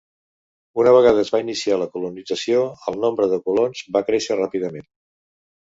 Una vegada es va iniciar la colonització, el nombre de colons va créixer ràpidament.